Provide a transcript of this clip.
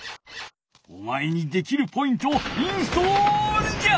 おまえにできるポイントをインストールじゃ！